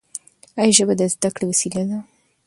ایا ژبه د زده کړې وسیله ده؟